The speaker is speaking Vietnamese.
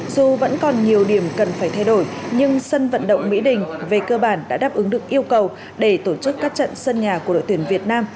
dù vẫn còn nhiều điểm cần phải thay đổi nhưng sân vận động mỹ đình về cơ bản đã đáp ứng được yêu cầu để tổ chức các trận sân nhà của đội tuyển việt nam